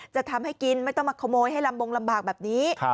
จะทำให้กินไม่ต้องมาขโมยให้ลำบงลำบากแบบนี้